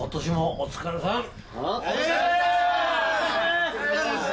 お疲れさまでした！